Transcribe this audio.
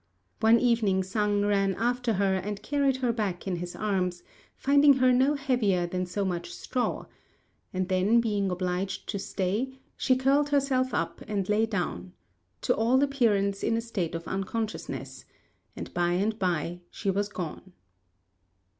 One evening Sang ran after her and carried her back in his arms, finding her no heavier than so much straw; and then, being obliged to stay, she curled herself up and lay down, to all appearance in a state of unconsciousness, and by and by she was gone.